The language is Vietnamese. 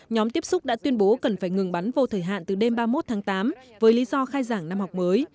nhóm tiếp xúc đã tuyên bố cần phải ngừng bắn vô thời hạn từ đêm ba mươi một tháng tám với lý do khai giảng năm học mới